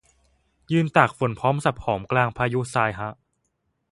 ยืนตากฝนพร้อมสับหอมกลางพายุทรายฮะ